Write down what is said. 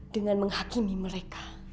dengan menghakimi mereka